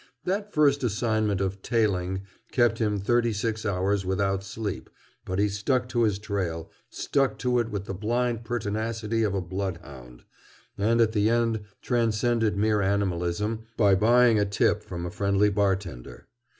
That first assignment of "tailing" kept him thirty six hours without sleep, but he stuck to his trail, stuck to it with the blind pertinacity of a bloodhound, and at the end transcended mere animalism by buying a tip from a friendly bartender.